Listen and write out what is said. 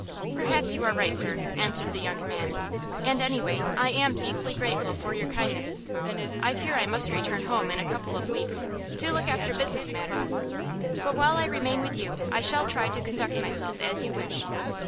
"Perhaps you are right, sir," answered the young man. "And, anyway, I am deeply grateful for your kindness. I fear I must return home in a couple of weeks, to look after business matters; but while I remain with you I shall try to conduct myself as you wish."